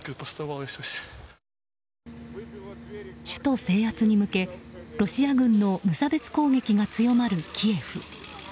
首都制圧に向け、ロシア軍の無差別攻撃が強まるキエフ。